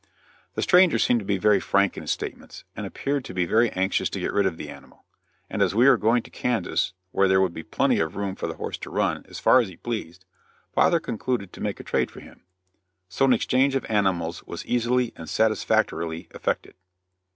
The stranger seemed to be very frank in his statements, and appeared to be very anxious to get rid of the animal, and as we were going to Kansas where there would be plenty of room for the horse to run as far as he pleased, father concluded to make a trade for him; so an exchange of animals was easily and satisfactorily effected.